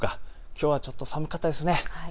きょうはちょっと寒かったですね。